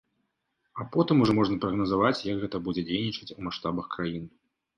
А потым ужо можна прагназаваць, як гэта будзе дзейнічаць у маштабах краіны.